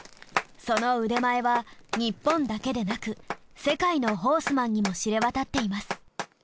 その腕前は日本だけでなく世界のホースマンにも知れ渡っています。